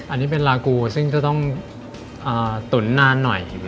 อันนี้เป็นลากูซึ่งจะต้องตุ๋นนานหน่อย